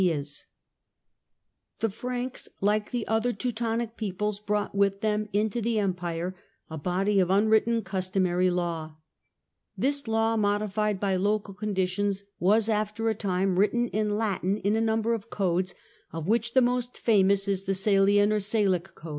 THE RISE OF THE FRANKS 49 The Franks, like the other Teutonic peoples, brought Frankish with them into the Empire a body of unwritten custo Laws mary law. This law, modified by local conditions, was after a time written in Latin in a number of codes, of which the most famous is the Salian or Salic Law.